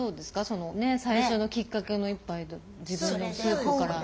そのね最初のきっかけの１杯で自分のスープから。